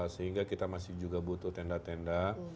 sehingga kita masih juga butuh tenda tenda